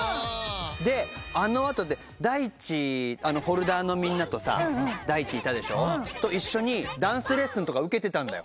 であの後で大知Ｆｏｌｄｅｒのみんなとさ大知いたでしょ。と一緒にダンスレッスンとか受けてたんだよ。